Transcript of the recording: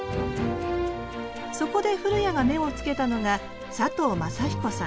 そこで古屋が目をつけたのが佐藤雅彦さん。